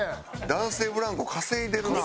男性ブランコ稼いでるな。